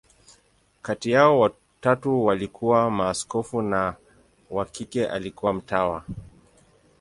Kati yao, watatu walikuwa maaskofu, na wa kike alikuwa mtawa.